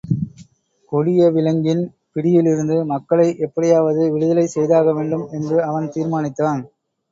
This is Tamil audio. கொடிய விலங்கின் பிடியிலிருந்து மக்களை எப்படியாவது விடுதலை செய்தாக வேண்டும் என்று அவன் தீர்மானித்தான்.